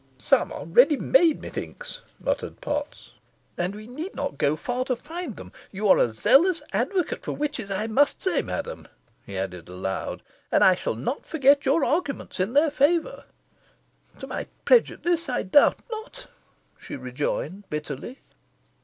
"Some are ready made, methinks," muttered Potts, "and we need not go far to find them. You are a zealous advocate for witches, I must say, madam," he added aloud, "and I shall not forget your arguments in their favour." "To my prejudice, I doubt not," she rejoined, bitterly.